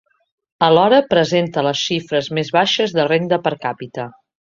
Alhora, presenta les xifres més baixes de renda per càpita.